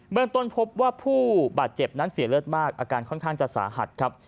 เมืองต้นพบว่าผู้บาดเจ็บนั้นเสียเลือดมากอาการค่อนข้างจะสาหัสครับ